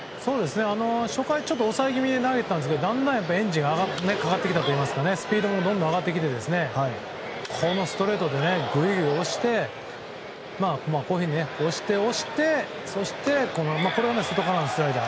初回、ちょっと抑え気味に投げていましたがだんだんエンジンがかかってきたといいますかスピードも上がってきてあのストレートでぐいぐい押して、押してそして、これは外側のスライダー。